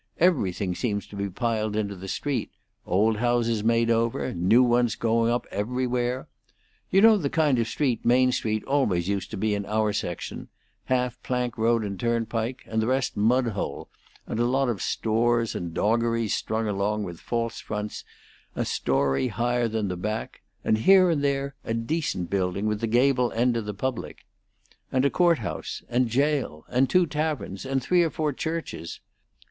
Everything seems to be piled into the street; old houses made over, and new ones going up everywhere. You know the kind of street Main Street always used to be in our section half plank road and turnpike, and the rest mud hole, and a lot of stores and doggeries strung along with false fronts a story higher than the back, and here and there a decent building with the gable end to the public; and a court house and jail and two taverns and three or four churches.